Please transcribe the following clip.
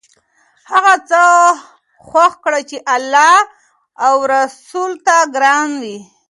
هغه څه خوښ کړه چې الله او رسول ته ګران وي.